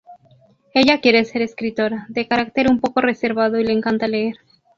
Ella quiere ser escritora, de carácter un poco reservado y le encanta leer.